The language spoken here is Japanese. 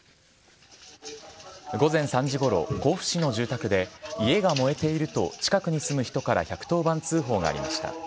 午前３時ごろ、甲府市の住宅で家が燃えていると近くに住む人から１１０番通報がありました。